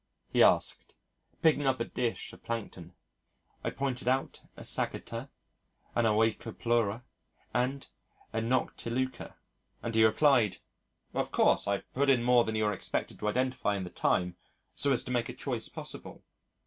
he asked, picking up a dish of plankton. I pointed out a Sagitta, an Oikopleura, and a Noctiluca, and he replied, "Of course I put in more than you were expected to identify in the time, so as to make a choice possible."